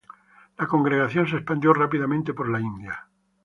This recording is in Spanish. La congregación se expandió rápidamente por la India.